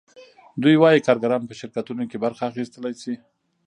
دوی وايي کارګران په شرکتونو کې برخه اخیستلی شي